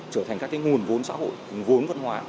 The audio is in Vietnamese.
trở thành các nguồn vốn xã hội vốn văn hóa